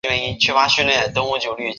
该岛使用普卡普卡语。